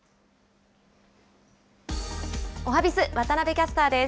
おはＢｉｚ、渡部キャスターです。